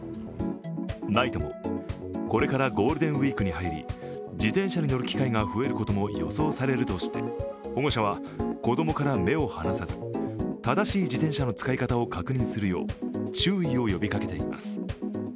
ＮＩＴＥも、これからゴールデンウイークに入り自転車に乗る機会が増えることも予想されるとして保護者は子供から目を離さず、正しい自転車の使い方を確認するよう注意を呼びかけています。